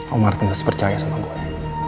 om harus berpercaya sama gue